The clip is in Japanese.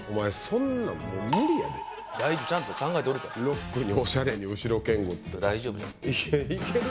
そんなんもう無理やで大丈夫ちゃんと考えておるからロックにオシャレに後堅固って大丈夫じゃいやいける？